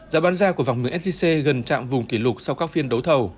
giá bán ra của vòng miếng sgc gần trạm vùng kỷ lục sau các phiên đấu thầu